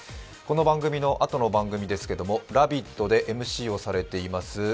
この番組のあとの番組、「ラヴィット！」でＭＣをされています